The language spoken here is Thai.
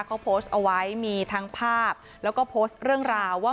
เขาโพสต์เอาไว้มีทั้งภาพแล้วก็โพสต์เรื่องราวว่า